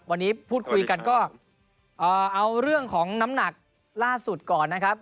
วันนี้พูดคุยกันก็เอาเรื่องของน้ำหนักล่าสุดก่อนนะครับ